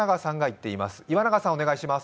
岩永さん、お願いします。